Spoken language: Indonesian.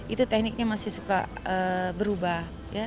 itu tekniknya masih suka berubah